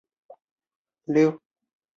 塔夸里廷加是巴西圣保罗州的一个市镇。